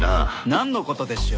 なんの事でしょう？